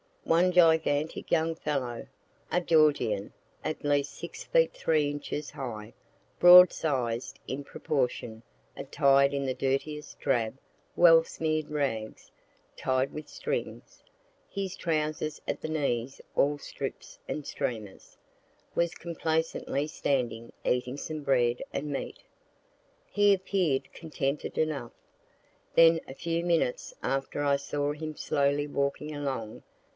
One gigantic young fellow, a Georgian, at least six feet three inches high, broad sized in proportion, attired in the dirtiest, drab, well smear'd rags, tied with strings, his trousers at the knees all strips and streamers, was complacently standing eating some bread and meat. He appear'd contented enough. Then a few minutes after I saw him slowly walking along.